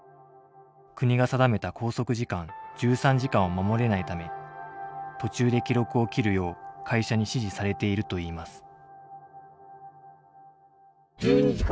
国が定めた拘束時間１３時間を守れないため途中で記録を切るよう会社に指示されているといいます。